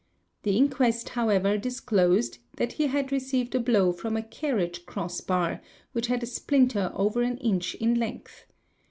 —| The inquest, however, disclosed that he had received a blow from a : carriage cross bar, which had a splinter over an inch in length.